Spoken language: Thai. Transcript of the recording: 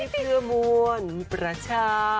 เฮ้ยเสื้อมวลประชา